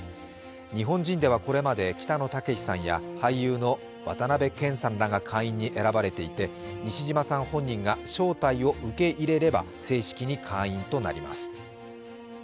日本人ではこれまで北野武さんや俳優の渡辺謙さんらが会員に選ばれていて、西島さん本人が招待を受け入れれば正式に会員となります。